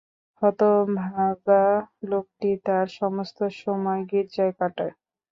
হতভাগ্যা লোকটা তার সমস্ত সময় গির্জায় কাটায়।